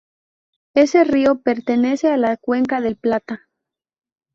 Ese río pertenece a la cuenca del Plata.